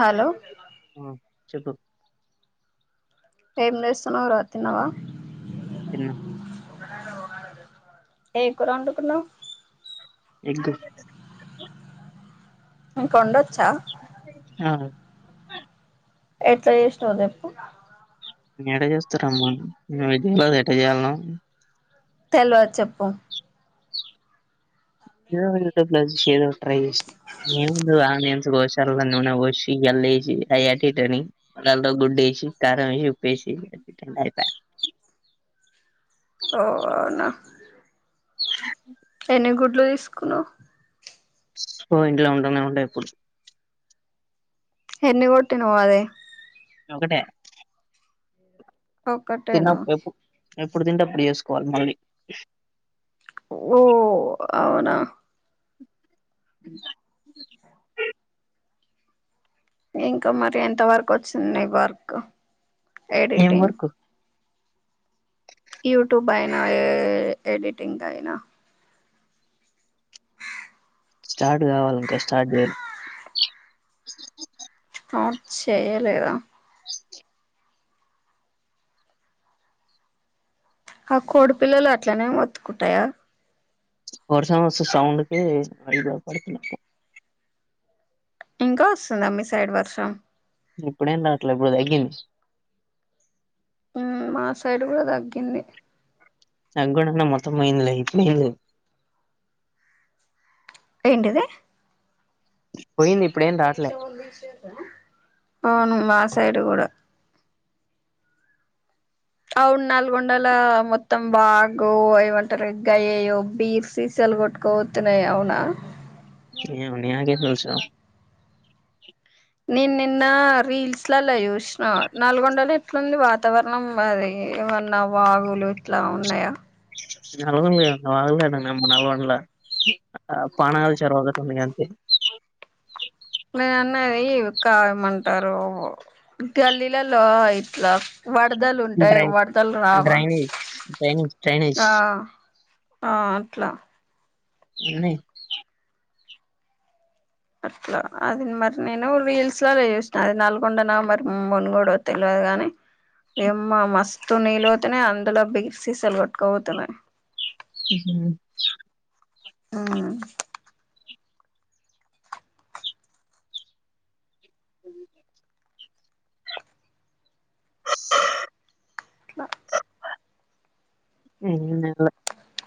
hello వ చెప్పం time నేస్తున్నావురా తిన్నావా తిన్న ఏం కూర అండుతున్నావ్ ఎక్కడ కొండ వచ్చా ఆ యెట్లా చేసినవ్ చెప్పు నే ఎట చేస్తారమ్మా మే విద ఎట చేయాలం తెల్వదు చెప్పు ట్యై ఆంత హార న షి ఎ [unintelligible] అయని గుడ్డి కారం వ ఉప్పేసి అవునా ఎన్ని గుడ్లు తీసుకున్నావు పో ఇంట్లో ఉండనే ఉంటాయి ఇప్పుడు ఎన్ని కొట్టినవ్ అది ఒకటే ఒకటేనా తిన్నప్పుడు ఎప్పుడు ఎప్పుడు తింటేప్పుడు చేసుకోవాలి మళ్ళీ ఓ అవునా ఇంకా మరి ఎంత వరకు వచ్చింది వర్క్ ఏం ఎడిటింగ్ వర్క్ యూట్యూబ్ అయినా ఎడిటింగ్ అయినా స్టార్ట్ కావాలి ఇంకా స్టార్ట్ చేయాలే ఆట్ చేయ్యలేదా ఆ కోడి పిల్లలు అట్లనే ఒత్తుకుంటాయా వర్సం వచ్చే సౌండ్ కి పడుతున్నా ఇంకా వస్తుందా మీ సైడ్ వర్షం ఇప్పుడేం రాట్లే ఇప్పుడు తగ్గింది మ్ మా సైడ్ కూడా తగ్గింది నా కూడాన్న మొత్తం పోయింది లే ఇటులేదు ఏంటిది పోయింది ఇప్పుడు ఏం రాట్లే అవును మాసైడు కూడ అవును నల్గొండలో మొత్తం బాగు ఏమంటారు గయ బీర్ సీస్ లు కొట్టకపోతున్నాయి అవునా ఏ ఉనియకే వెస [unintelligible] నేను నిన్న రీల్స్ లల్లో చూసిన నలుగొండ లొ ఎట్లుంది వాతావరణం అది ఏమన్నా వాగులు ఇట్లా ఉన్నాయా నల్గొండ లో ఏవైనా వాగులు ఏమోనాకవపడల నల్గొండ ఆ పాణలు చెరవొకటి ఉంది అది [inaudible] నేనన్నది కావమంటారు గల్లీలలో ఇట్లా వరదలు ఉంటాయి డ్రై వరదలు రావా డ్రైనేజ్ డ్రైనేజ్ డ్రైనేజ్ ఆ ఆ అట్లా ఉన్నాయి అట్లా అది మరి నేను రీల్స్ లో చూషినా అది నల్గొండ నా మరి మునుగొడొ తెల్వదు గానీ యమ్మ మస్తు నీళ్లు పోతునయ్ అందులో బీర్ సీసాలు కొటుకపోతున్నాయ్ ఉమ్ హుమ్ అ అట్ల [unintelligible]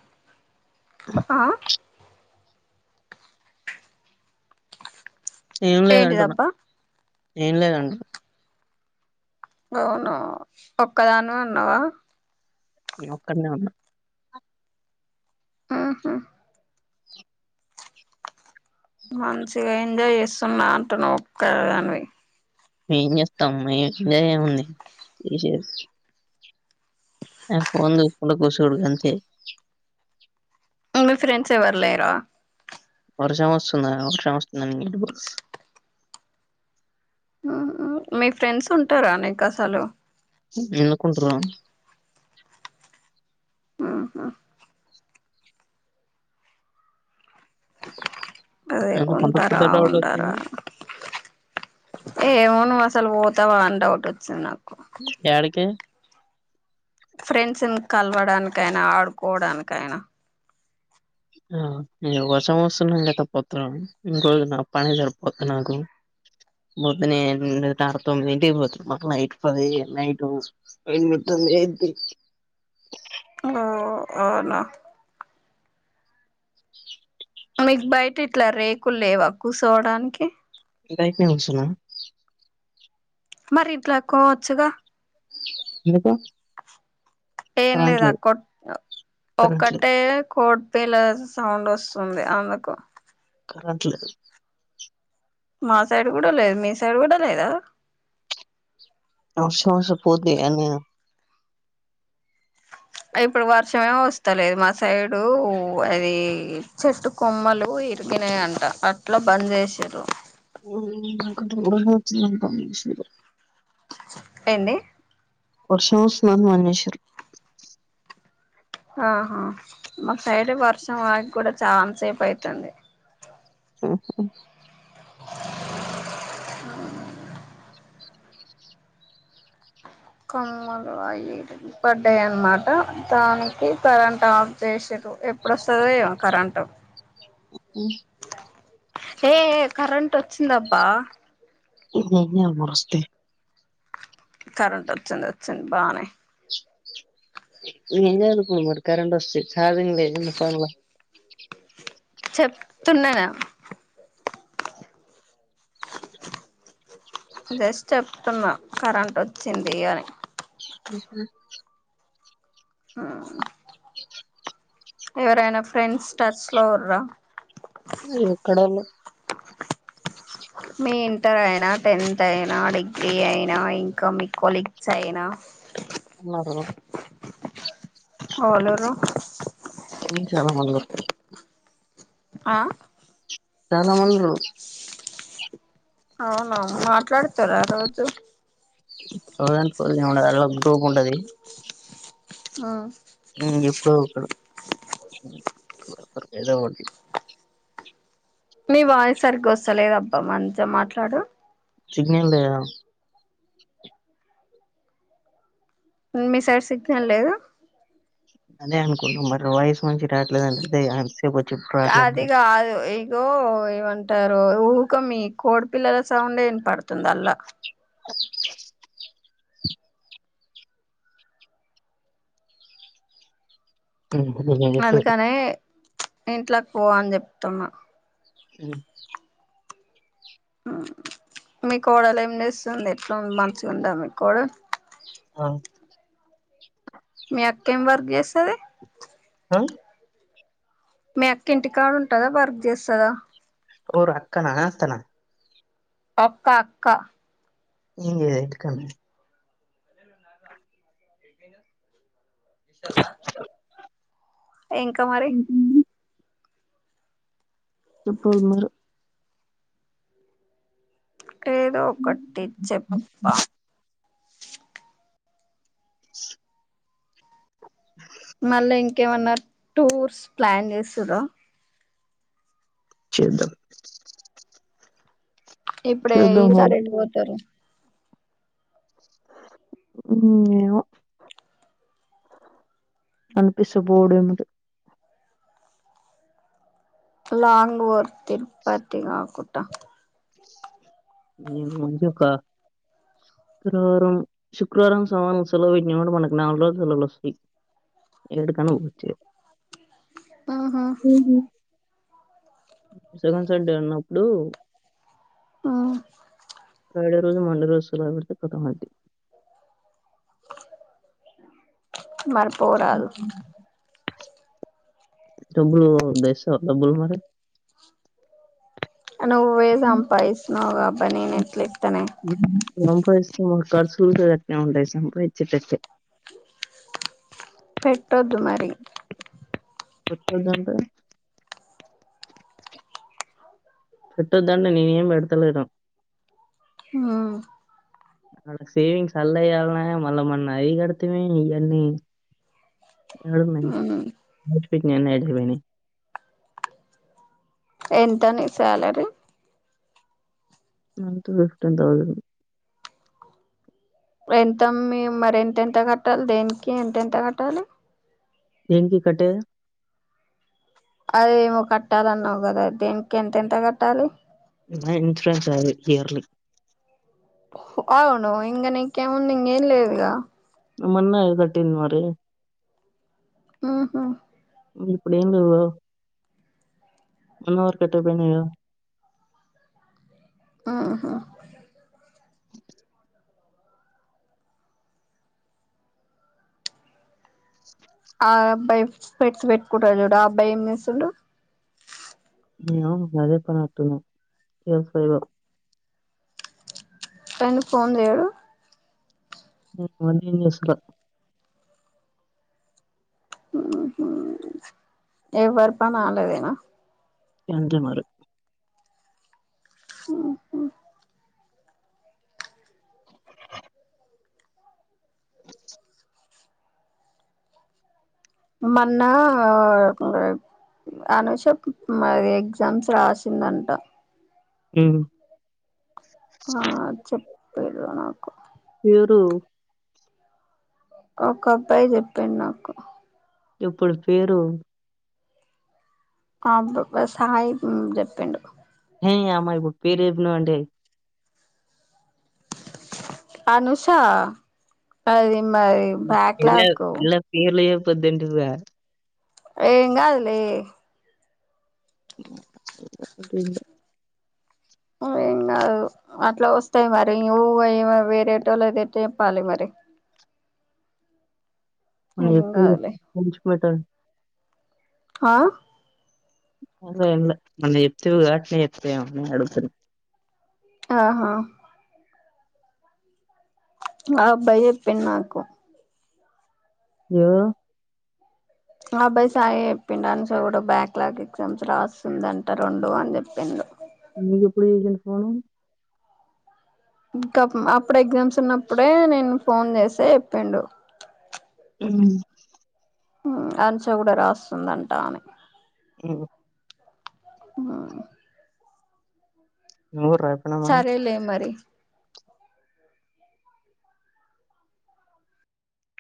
తప్పా.. ఏం లేదంటున్నా ఏంటిదబ్బా ఏం లేదంటున్నా అవును ఒక్కదానివి ఉన్నావా నె ఒక్కడనే ఉన్నా మ్ హుమ్మ్ మంచిగా ఎంజాయ్ చేస్తున్నా అంటున్నావ్ ఒక్కదానివి మేం చేస్తాంమ తినేదేముంది ఏం చె నాక్ ఫోన్ చూసుకుంటా కుసూడు గంతే మీ ఫ్రెండ్స్ ఎవరు లేరా వర్షం వస్తుందని వర్షం వస్తుందని ఎటుబొలు మీ ఫ్రెండ్స్ ఉంటారా నీకు అసలు ఎందు కుంటరు ఆ అదే ఎందుకు అంత ఉంటారా పెద్ద డౌట్ ఉండరా వచ్చింది ఏమో నువ్వు అసలు పోతావా అని డౌట్ వచ్చింది నాకు యాడికి ఫ్రెండ్స్ ని కలవడానికైనా ఆడుకోవడానికైనా ఇహ వర్షం వస్తుండం గ త పోత్రం ఇంకో పని జరుపోద్ది నాకు పొద్దున ఎనిమిదిన్నర తొమ్మిదింటికి మీకు పోతే నైట్ పదయ్యే నైట్ ఎనిమిది తొమ్మిది ఏంటి ఓ అవునా మీకు బయట ఇట్లా రేకులు లేవా కూర్సోవడానికి బయటే నుంచున్నా మరి ఇట్లాకోవచ్చుగా ఎందుకు ఏం కరెంట్ లేదా లేదు కొట్ కరెంట్ లేదు ఒక్కటే కొ పేల సౌండ్ వస్తుంది అందుకు కరెంట్ లేదు మా సైడ్ కూడా లేదు మీ సైడ్ కూడా లేదా నా శ్వాస పోది అని ఇప్పుడు వర్షమేమీ వస్తలేదు మా సైడు అది చెట్టు కొమ్మలు ఇరు తినే అంట అట్లా బంద్ చేసింరు ఉ [inaudible] వచ్చిందంట ఏంది వర్షం వస్తుంది అని మానేసిరు ఆహా మా సైడ్ వర్షం వాకి కూడా చాలాసేపు అయితుంది ఉహు కోమల్లు అయ పడ్డాయ అనమాట దానికి కరెంట్ ఆఫ్ చేసి ఎప్పుడోస్తాదో ఏమో కరెంటు ఉ ఏ కరెంట్ వచ్చిందబ్బా ఉహు ఏం వస్తే కరెంట్ వచ్చింది వచ్చింది బానే ఏం చదువుకువు కరెంట్ వస్తే చార్జింగ్లేన్న ఫోన్లా చెప్తున్న జస్ట్ చెప్తున్న కరెంట్ వచ్చింది అని ఉహు ఆ ఎవరైనా ఫ్రెండ్స్ టచ్ లో రా ఎక్కడోళ్ళు మీ ఇంటర్ అయినా టెన్త్ అయినా డిగ్రీ అయినా ఇంకా మీ కొలీగ్స్ అయినా ఉన్నారు హోలోరు [unintelligible] ఆ చాలామండ్రు అవునవు మాట్లాడతార రోజు [unintelligible] ఏముండదు అలా గ్రూప్ ఉండది ఆ ఉ ఇప్పుడు ఏదో ఒకటి మీ వాయిస్ సరిగ్గా వస్తాలేద అబ్బా మంచిగా మాట్లాడు సిగ్నల్ లేదా ఉమ్ మీ సైడ్ సిగ్నల్ లేదు అదే అనుకుంట మరి వాయిస్ మంచిగా రాట్లేదు అంతేగా అది కాదు ఇగో ఏమంటారు ఊక మి కోడిపిల్లల సౌండే వినపడుతుంది అల్లా ఓ నేను చెప్పేది అందుకని ఇంట్లోకి పో అని చెప్తున్నా ఉ ఆ మీ కోడలు ఏం చేస్తుంది ఎట్లా మంచిగా ఉందా మీ కోడ ఆ మీ అక్క ఏమి వర్క్ చేస్తది హ మీ అక్క ఇంటి కాడ ఉంటదా వర్క్ చేస్తదా ఓరు అక్కనా, అత్తనా ఒక్క అక్క ఇ ఇట్కన్నా ఇస్తదా ఇంక మరి ఇంకేమ్లే ఏదో ఒకటి చెప్పబ్బా మళ్ళా ఇంకేమన్నా టూర్స్ ప్లాన్ చేస్తుర్రా చేద్దాం ఇప్పుడే ఈ చేద్దాం మరి సారెటు పోతరు ఉ మో అనిపిస్తు బోడు ఎందు లాంగ్ ఓ తిరుపతి కాకుండ న మజు కా శుక్రవారం శుక్రవారం సోమరం సెలవు పెట్టిన మనకు నాలుగు రోజులు సెలవులు వస్తాయి ఏడుకన్న పోచ్చిగా ఆహ సెకండ్ సండే ఉన్నప్పుడు మ్మ్ ఫ్రైడే రోజు మండే రోజు సెలవు పెడితే కథమంది మల్ల పోరాదు డబ్బులు బేస్సావ డబ్బులు మరి నువ్వే సంపాదిస్తున్నవ్ కాబ నేనేట్లిస్తనే ఖర్చులు అటె ఉంటాయా సంపాదించేటటే పెట్టొద్దు మరి పెట్టొద్దంటే పెట్టొద్దంటే నేనేం పెడ్తలేను ఆ అ సేవింగ్స్ అలేనా మళ్ళ అయి కడితిమి మ్మ్ [unintelligible] అపోని ఎంత నీ శాలరీ మంత్ ఫిఫ్టీన్ థౌసండ్ ఎంతమ్ మరి ఎంతెంత కట్టాలి దేనికి ఎంతెంత కట్టాలి దేనికి కట్టేది అదేమో కట్టాలన్నావు కదా దేనికి ఎంతెంత కట్టాలి నా ఇన్సూరెన్స్ అదు ఇయర్లీ అవును ఇంగనీకేముంది ఇంకేం లేదుగా మొన్నే ఇది కట్టింది మరి మ్మ్ హ్మ్ ఇప్పుడేం లెవ్వు అమ్మవారికి పెట్టపోని కదా ఆహా ఆ అబ్బాయి స్పెట్స్ పెట్టుకుంటాడు చూడు ఆ అబ్బాయి ఏం చేస్తుండు ఏమో నీకు అదే పని అయినట్టు ఉంది చేసుకో ఇగ పెండు ఫోన్ చేయడు మన్సు [unintelligible] మ్మ్ హ్మ్ ఎవ్వరి పనాళ్ళదేన అంతే మరి మ్మ్ హ్మ్ మన్న అనుష మరి ఎగ్జామ్స్ రాసిందంట ఏమో పేదో నాకు ఎవరు ఒక అబ్బాయి చెప్పిండు నాకు ఇప్పుడు పేరు ఆ అబ్బయ్ పేరు సాయి అని చెప్పిండు నీయమ్మ ఇపుడు పీరెడ్లు ఉంటయ్ అనుషా అది మరి బ్యాక్ లాగ్ ఊ పెద్దింటికి రార్ ఏం కాదులే అద [unintelligible] ఓ ఏ అవ్ అట్లా వస్తయి మరి ఊగే ఈమె వేరేటోళది ఎట్ల చెప్పాలి మరి మీ ఏం కాదులే దగ్గర ఉంచి పోయటోన్ని ఆ అట్ల ఏం లే మొన్న చెప్తివి కదా అట్ల చెప్తావేమొనని అడుగుతున ఆహా ఆ అబ్బాయ్ చెపిండు నాకు యా ఆ అబ్బాయి సాయి చెప్పిండు అనుష కూడా బ్యాక్లాగ్ ఎగ్జామ్స్ రాస్తుందని ట్ట రొండు అని చెప్పిండు వన్ ఇంకా అప్పుడు ఎగ్జామ్స్ ఉన్నప్పుడే నేను ఫోన్ చేస్తె చెప్పిండు ఊ ఊ అన్ష కూడా రాస్తుందంటా ఆమె ఇవు ఆ నువ్వు రాపోయినా మరి సరేలే మరి